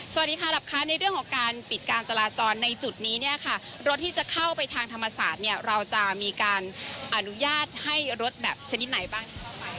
สวัสดีค่ะรับคะในเรื่องของการปิดการจราจรในจุดนี้เนี่ยค่ะรถที่จะเข้าไปทางธรรมศาสตร์เนี่ยเราจะมีการอนุญาตให้รถแบบชนิดไหนบ้าง